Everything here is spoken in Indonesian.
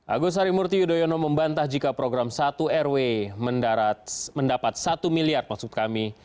agus harimurti yudhoyono membantah jika program satu rw mendapat satu miliar maksud kami